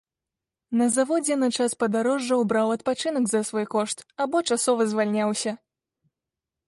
На заводзе на час падарожжаў браў адпачынак за свой кошт або часова звальняўся.